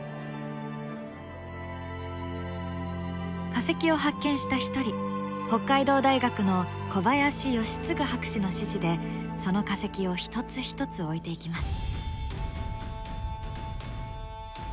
化石を発見した一人北海道大学の小林快次博士の指示でその化石を一つ一つ置いていきます。